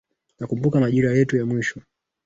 Nakumbuka majira yetu ya mwisho